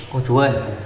cô chú ơi